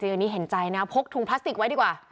อันนี้เห็นใจนะพกถุงพลาสติกไว้ดีกว่า